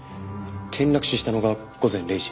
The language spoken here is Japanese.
転落死したのが午前０時。